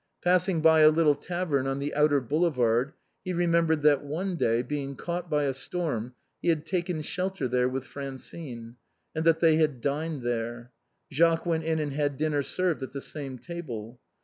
Passing by a little tavern on the outer Boule vard he remembered that one day, being caught by a storm, he had taken shelter there with Francine, and that they had dined there. Jacques went in and had dinner served at the same table.